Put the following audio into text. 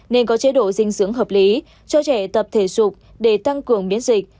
nên có chế độ dinh dưỡng hợp lý cho trẻ tập thể dục để tăng cường biến dịch